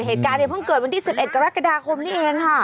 เหตุการณ์เนี่ยเพิ่งเกิดวันที่๑๑กรกฎาคมนี้เองค่ะ